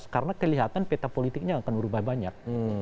karena kelihatan peta politiknya akan berubah banyak